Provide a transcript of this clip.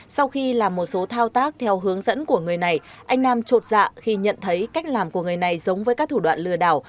sau khi làm một số thao tác theo hướng dẫn của người này anh nam trột dạ khi nhận thấy cách làm của người này giống với các thủ đoạn lừa đảo